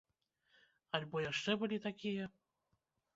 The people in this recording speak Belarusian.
Альбо яшчэ былі такія?